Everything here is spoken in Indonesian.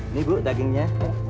ini bu dagingnya